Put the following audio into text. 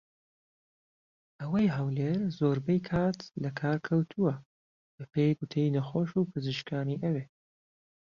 ئەوەی هەولێر زۆربەی کات لە کار کەوتووە بە پێی گوتەی نەخۆش و پزیشکانی ئەوێ